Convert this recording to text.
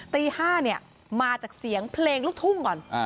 ตี๕เนี่ยมาจากเสียงเพลงลูกทุ่งก่อน